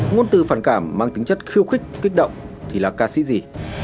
ngôn từ phản cảm mang tính chất khiêu khích kích động thì là ca sĩ gì